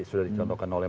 sudah dicontohkan oleh